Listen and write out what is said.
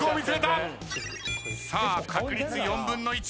さあ確率４分の１。